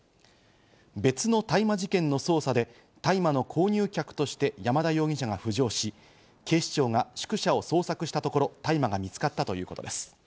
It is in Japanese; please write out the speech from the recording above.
別の大麻事件の捜査で大麻の購入客として山田容疑者が浮上し、警視庁が宿舎を捜索したところ大麻が見つかったということです。